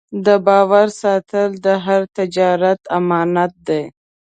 د باور ساتل د هر تجارت امانت دی.